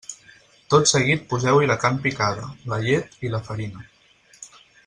Tot seguit poseu-hi la carn picada, la llet i la farina.